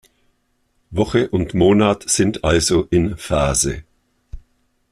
Woche und Monat sind also in Phase.